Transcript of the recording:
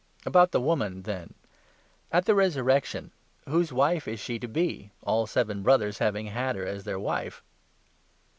About the woman, then — at the resurrection, whose 33 wife is she to be, all seven brothers having had her as their wife